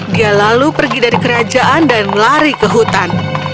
dia lalu pergi dari kerajaan dan lari ke hutan